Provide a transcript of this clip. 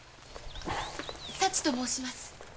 佐知と申します。